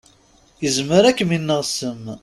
Izmer ad kem-ineɣ ssem.